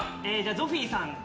ゾフィーさんで。